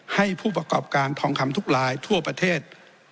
ให้ผู้ประกอบการทองคำทุกลายทั่วประเทศ